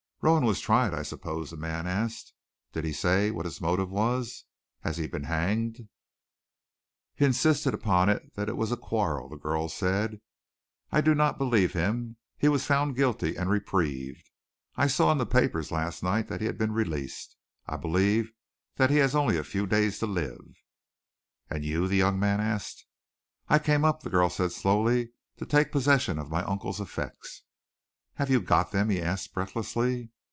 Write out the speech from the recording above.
"Rowan was tried, I suppose?" the man asked. "Did he say what his motive was? Has he been hanged?" "He insisted upon it that it was a quarrel," the girl said. "I do not believe him. He was found guilty and reprieved. I saw in the papers last night that he had been released. I believe that he has only a few days to live." "And you?" the young man asked. "I came up," the girl said slowly, "to take possession of my uncle's effects." "Have you got them?" he asked breathlessly.